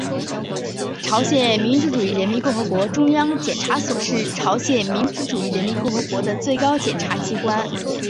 朝鲜民主主义人民共和国中央检察所是朝鲜民主主义人民共和国的最高检察机关。